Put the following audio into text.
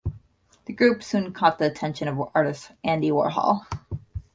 The group soon caught the attention of artist Andy Warhol.